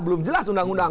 belum jelas undang undang